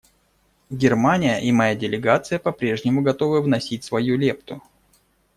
Германия и моя делегация по-прежнему готовы вносить свою лепту.